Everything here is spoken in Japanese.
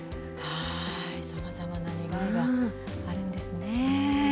さまざまな願いがあるんですね。